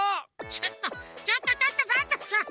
ちょっとちょっとちょっとパンタンさん。